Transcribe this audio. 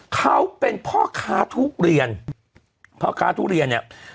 เขาเป็นพ่อค้าทุเรียนพ่อค้าทุเรียนเนี่ย